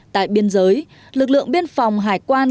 tại biên giới lực lượng biên phòng hải quan